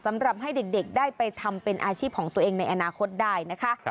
สำหรับให้เด็กได้ไปทำเป็นอาชีพของตัวเองในอนาคตได้นะคะ